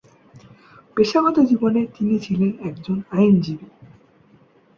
পেশাগত জীবনে তিনি ছিলেন একজন আইনজীবী।